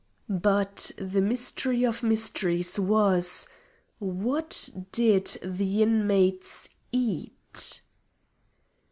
But the mystery of mysteries was: What did the inmates eat?